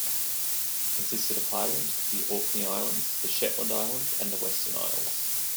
It consisted of Highland, the Orkney Islands, the Shetland Islands and the Western Isles.